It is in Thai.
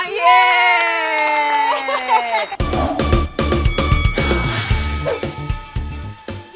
เย้